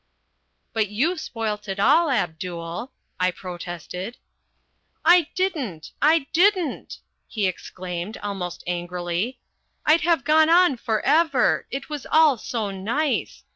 "But you spoilt it all, Abdul," I protested. "I didn't, I didn't!" he exclaimed almost angrily. "I'd have gone on for ever. It was all so nice.